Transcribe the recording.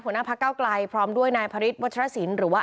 หัวหน้าพักเก้าไกลพร้อมด้วยนายพระฤทธวัชรสินหรือว่า